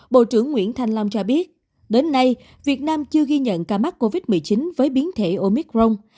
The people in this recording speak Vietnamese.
bộ trưởng nguyễn thanh long cho biết đến nay việt nam chưa ghi nhận ca mắc covid một mươi chín với biến thể omicron